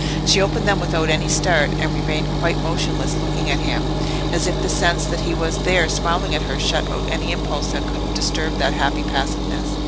She opened them without any start, and remained quite motionless looking at him, as if the sense that he was there smiling at her shut out any impulse which could disturb that happy passiveness.